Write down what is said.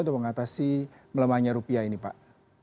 untuk mengatasi melemahnya rupiah ini pak